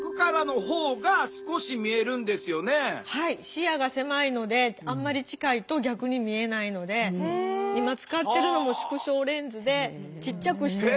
視野が狭いのであんまり近いと逆に見えないので今使ってるのも縮小レンズでちっちゃくして。